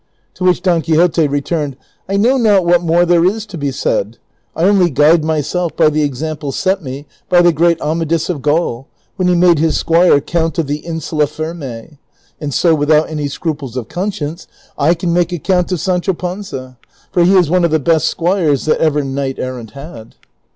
To which Don Quixote returned, " I know not what more there is to be said ;^ I only guide myself by the example set me by the great Amadis of Gaul, when he made his squire count of the Insula Firme ; and so, Avithout any sci'U])les of conscience, I can make a count of Sancho Panza, for he is one of the best squires that ever knight errant had."